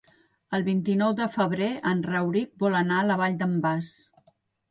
El vint-i-nou de febrer en Rauric vol anar a la Vall d'en Bas.